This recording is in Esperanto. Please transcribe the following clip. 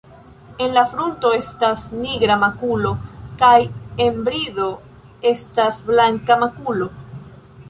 En la frunto estas nigra makulo kaj en brido estas blanka makulo.